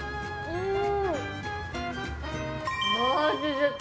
うん！